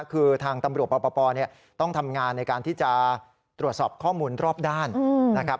คือทางตำรวจปปต้องทำงานในการที่จะตรวจสอบข้อมูลรอบด้านนะครับ